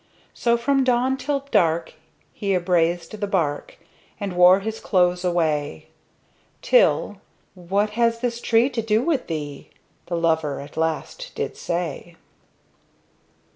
So from dawn till dark he abrazed the bark And wore his clothes away; Till, "What has this tree to do with thee?" The Lover at last did say.